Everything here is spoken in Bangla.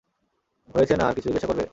হয়েছে না আর কিছু জিজ্ঞাসা করবে?